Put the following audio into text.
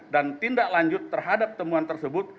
dan tindak lanjut terhadap temuan tersebut